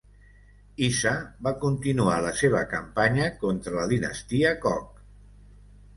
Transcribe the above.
Isa va continuar la seva campanya contra la dinastia Koch.